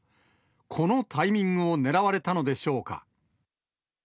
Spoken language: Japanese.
このタイミングを狙われたのでしょうか。